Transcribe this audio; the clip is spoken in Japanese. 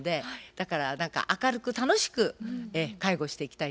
だから何か明るく楽しく介護していきたいなっていう。